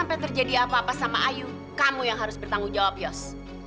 sampai terjadi apa apa sama ayu kamu yang harus bertanggung jawab yos